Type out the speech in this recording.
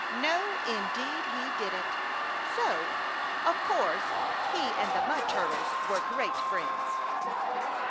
No, indeed he didn't. So, of course, he and the Mud Turtles were great friends.